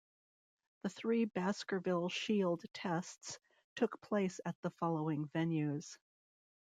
The three Baskerville Shield tests took place at the following venues.